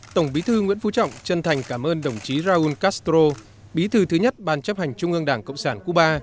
tổng bí thư nguyễn phú trọng chân thành cảm ơn đồng chí raúl castro bí thư thứ nhất ban chấp hành trung ương đảng cộng sản cuba